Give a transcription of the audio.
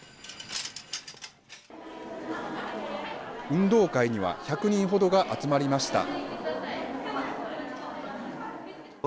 運動会には１００人ほどが集まりました。